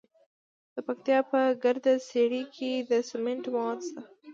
د پکتیا په ګرده څیړۍ کې د سمنټو مواد شته.